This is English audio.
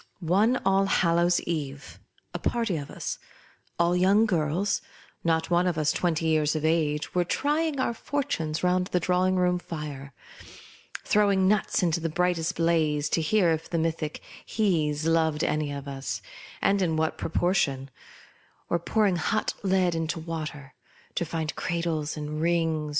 One Allhallow's eve a party of us — all young girls, not one of us twenty years of age — were trying our fortunes round the drawing room fire ; throwing nuts into the bright blaze, to hear if mythic " He's" loved any of us, and in what proportion ; or pouring hot lead into water, to find cradles aiid rings